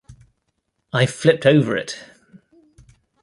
I flipped over it!